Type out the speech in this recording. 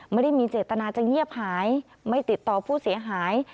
ไม่ได้มีเจตนาจะเงียบหายไม่ติดต่อผู้เสียหาย